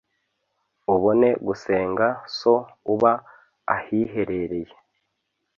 ubone gusenga So uba ahiherereye